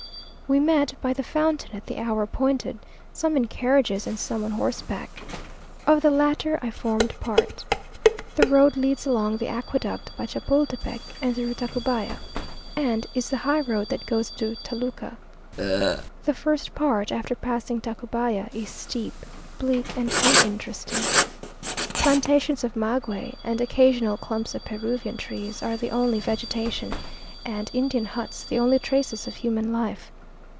We met by the fountain at the hour appointed, some in carriages, and some on horseback. Of the latter I formed part. The road leads along the aqueduct by Chapultepec, and through Tacubaya, and is the high road that goes to Toluca. The first part, after passing Tacubaya, is steep, bleak, and uninteresting. Plantations of maguey and occasional clumps of Peruvian trees are the only vegetation, and Indian huts the only traces of human life.